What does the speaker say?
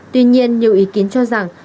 tuy nhiên nhiều ý kiến cho rằng